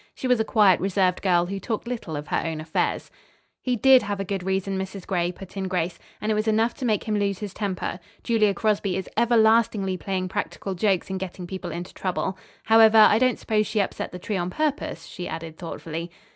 She was a quiet, reserved girl who talked little of her own affairs. "He did have a good reason, Mrs. Gray," put in Grace, "and it was enough to make him lose his temper. Julia Crosby is everlastingly playing practical jokes and getting people into trouble. However, I don't suppose she upset the tree on purpose," she added, thoughtfully.